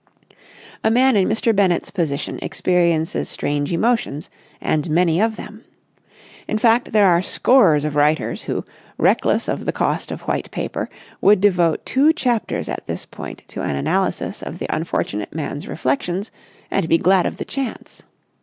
A man in Mr. Bennett's position experiences strange emotions, and many of them. In fact, there are scores of writers, who, reckless of the cost of white paper, would devote two chapters at this point to an analysis of the unfortunate man's reflections and be glad of the chance.